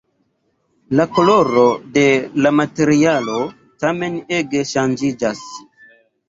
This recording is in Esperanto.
La koloro de la materialo tamen ege ŝanĝiĝas.